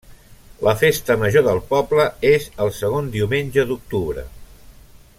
La festa major del poble és el segon diumenge d’octubre.